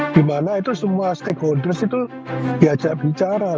dimana itu semua stakeholders itu diajak bicara